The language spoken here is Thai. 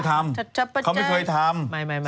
หมดเวลาเหรอเอาเร็วจะหมดแล้วพี่